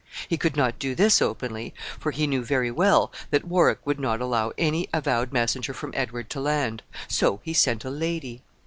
He could not do this openly, for he knew very well that Warwick would not allow any avowed messenger from Edward to land; so he sent a lady.